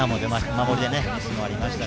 守りでミスもありました。